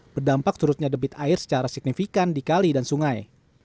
berdampak surutnya debit air secara signifikan di kali dan sungai